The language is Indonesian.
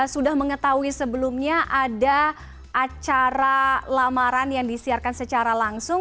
sudah mengetahui sebelumnya ada acara lamaran yang disiarkan secara langsung